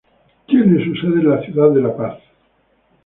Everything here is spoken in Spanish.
Tiene su sede en la ciudad de La Paz.